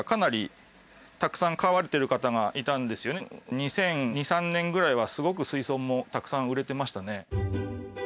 ２００２２００３年ぐらいはすごく水槽もたくさん売れてましたね。